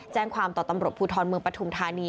แจ้งความต่อตำรวจภูทรเมืองปฐุมธานี